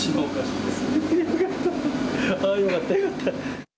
いやー、よかった、よかった。